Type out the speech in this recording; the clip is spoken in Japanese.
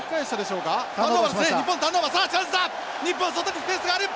日本外にスペースがある！